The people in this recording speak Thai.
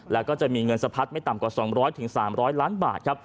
แล้วก็จะมีเงินสะพัดไม่ต่ำกว่า๒๐๐๓๐๐ล้านบาทครับ